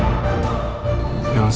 aku nggak mau artgil